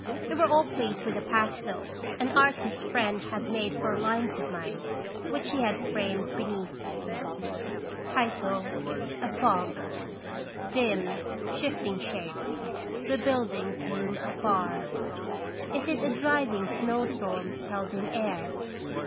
They were all pleased with a pastel an artist friend had made for lines of mine, which he had framed beneath it. 1 62 Qt radons toisitation. A FOG. Dim, shifting shape, the buildings loom afar, Is it a driving snowstorm held in air?